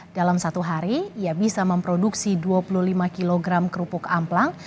dalam satu hari ia bisa memproduksi dua puluh lima kg kerupuk amplang